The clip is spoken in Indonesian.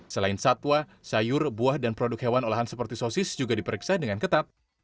selain satwa sayur buah dan produk hewan olahan seperti sosis juga diperiksa dengan ketat